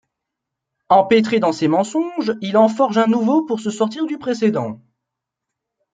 Empêtré dans ses mensonges, il en forge un nouveau pour se sortir du précédent.